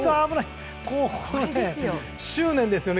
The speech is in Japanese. ここ、執念ですよね。